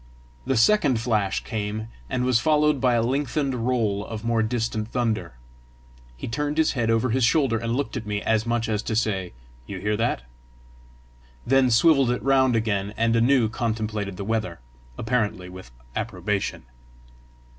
The second flash came, and was followed by a lengthened roll of more distant thunder. He turned his head over his shoulder and looked at me, as much as to say, "You hear that?" then swivelled it round again, and anew contemplated the weather, apparently with approbation.